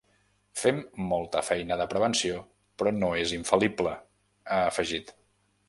Fem molta feina de prevenció, però no és infal·lible, ha afegit.